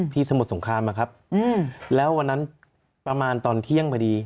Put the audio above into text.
สมุทรสงครามอะครับแล้ววันนั้นประมาณตอนเที่ยงพอดี